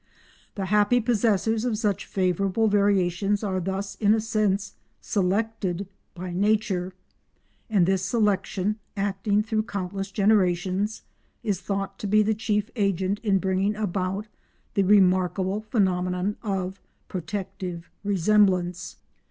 The happy possessors of such favourable variations are thus in a sense "selected" by nature, and this selection, acting through countless generations, is thought to be the chief agent in bringing about the remarkable phenomenon of protective resemblance.